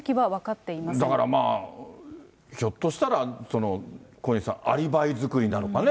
だから、ひょっとしたら、小西さん、アリバイ作りなのかね。